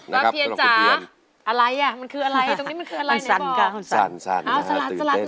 อะไรอะมันคืออะไรตรงนี้มันคืออะไร